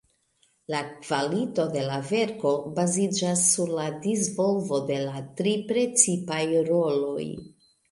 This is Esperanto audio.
La kvalito de la verko baziĝas sur la disvolvo de la tri precipaj roloj.